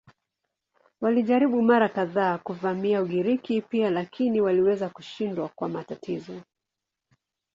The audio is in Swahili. Walijaribu mara kadhaa kuvamia Ugiriki pia lakini waliweza kushindwa kwa matatizo.